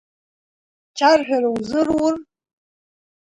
Чарҳәара узырур?